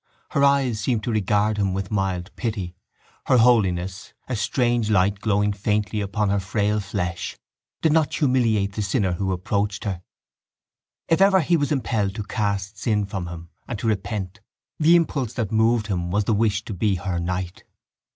Her eyes seemed to regard him with mild pity; her holiness, a strange light glowing faintly upon her frail flesh, did not humiliate the sinner who approached her. If ever he was impelled to cast sin from him and to repent the impulse that moved him was the wish to be her knight.